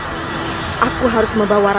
saya harus halau ibu